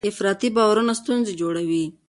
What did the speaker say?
افراطي باورونه ستونزې جوړوي.